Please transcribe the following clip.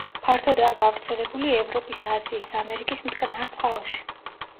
ფართოდაა გავრცელებული ევროპის, აზიის, ამერიკის მტკნარ წყალში.